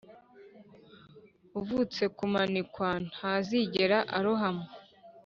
uvutse kumanikwa ntazigera arohama.